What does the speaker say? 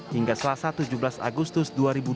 hingga selasa tujuh belas agustus dua ribu dua puluh